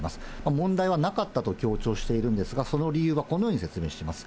問題はなかったと強調しているんですが、その理由はこのように説明しています。